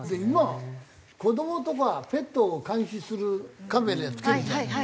今子どもとかペットを監視するカメラ付けるじゃない。